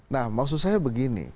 nah maksud saya begini